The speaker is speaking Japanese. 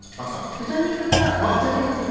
豚肉が豚で売ってる。